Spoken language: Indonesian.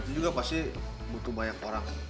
juga pasti butuh banyak orang